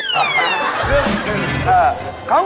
ครับครับเครื่องดูครับ